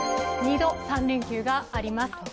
２度３連休があります。